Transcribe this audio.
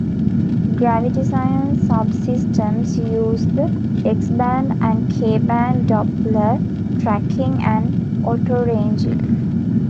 Gravity science subsystems use the X-band and K-band Doppler tracking and autoranging.